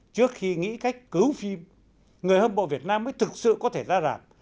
trước khi nghĩ cách cứu phim người hâm mộ việt nam mới thực sự có thể ra rạp